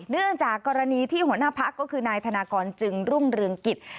เนื่องจากกรณีที่หัวหน้าพักก็คือนายธนากรจึงรุ่งเรืองกิจ